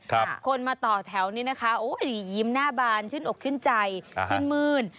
คนมาต่อแถวนี้นะคะโอ้ยยิ้มหน้าบานชื่นอกชื่นใจชื่นมื้น